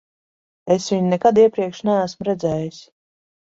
Es viņu nekad iepriekš neesmu redzējis.